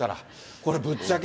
これ、ぶっちゃけ。